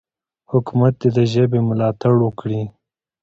حکومت دې د ژبې ملاتړ وکړي.